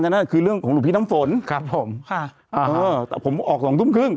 นั่นคือเรื่องของหลวงพี่น้ำฝนครับผมค่ะอ่าเออแต่ผมออกสองทุ่มครึ่ง